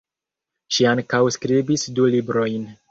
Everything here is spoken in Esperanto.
Ŝi ankaŭ skribis du librojn.